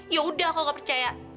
yaudah kalo gak percaya